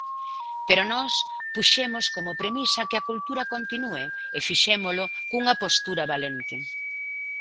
Pero nós puxemos como premisa que a cultura continúe, e fixémolo cunha postura valente.